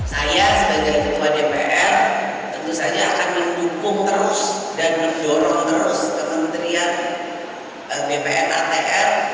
saya sebagai ketua dpr tentu saja akan mendukung terus dan mendorong terus kementerian bpn atr